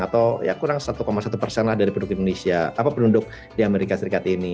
atau kurang satu satu persen dari penduduk di amerika serikat ini